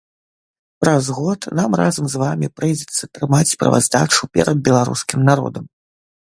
Праз год нам разам з вамі прыйдзецца трымаць справаздачу перад беларускім народам.